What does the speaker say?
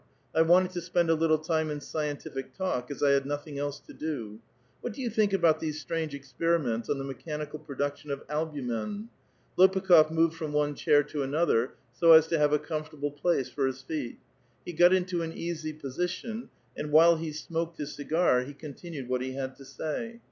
I wanted to spend a little time in scien tific talk, as I had nothing else to do. What do 3^ou think about these strange experiments on the mechanical produc tion of albumen?" Lopukh6f moved from one chair to another, so as to have a comfortable place for his feet ; he got into an easy [>osition, and while he smoked his cigar he continued what he had to sa}'.